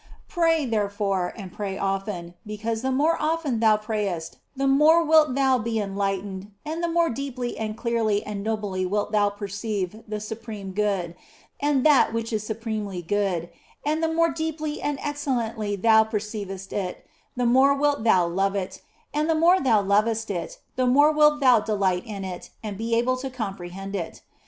Pray, therefore, and pray often, because the more often thou prayest the more wilt thou be enlightened and the more deeply and clearly and nobly wilt thou perceive the supreme Good, and that which is supremely good, and the more deeply and excellently thou perceivest it the more wilt thou love it, and the more thou lovest it the more wilt thou delight in it and be able to comprehend it.